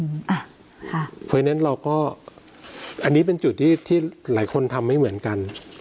เพราะฉะนั้นเราก็อันนี้เป็นจุดที่หลายคนทำไม่เหมือนกัน